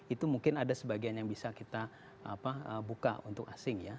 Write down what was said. itu mungkin ada sebagian yang bisa kita buka untuk asing ya